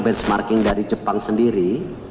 benchmarking dari jepang sendiri